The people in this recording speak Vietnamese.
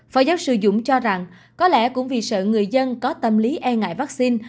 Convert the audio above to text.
phó giáo sư dũng cho rằng có lẽ cũng vì sợ người dân có tâm lý e ngại vaccine